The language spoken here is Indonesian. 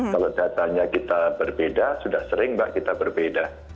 kalau datanya kita berbeda sudah sering mbak kita berbeda